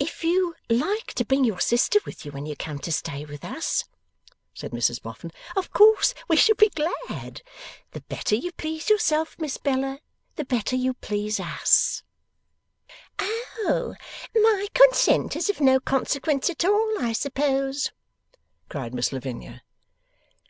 'If you like to bring your sister with you when you come to stay with us,' said Mrs Boffin, 'of course we shall be glad. The better you please yourself, Miss Bella, the better you'll please us.' 'Oh, my consent is of no consequence at all, I suppose?' cried Miss Lavinia.